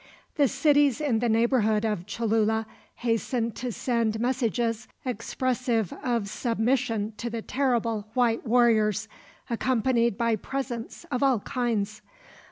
The cities in the neighborhood of Cholula hastened to send messages expressive of submission to the terrible white warriors, accompanied by presents of all kinds.